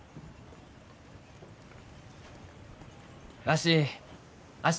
わし明日